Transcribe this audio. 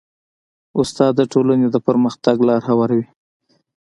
استاد د ټولنې د پرمختګ لاره هواروي.